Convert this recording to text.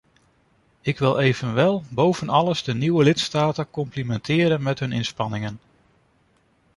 Ik wil evenwel boven alles de nieuwe lidstaten complimenteren met hun inspanningen.